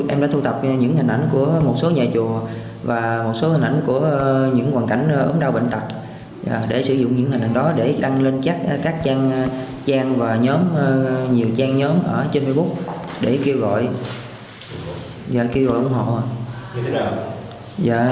em đã sử dụng hình ảnh em đã thu tập những hình ảnh của một số nhà chùa